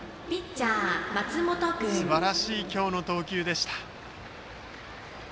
すばらしい今日の投球でした。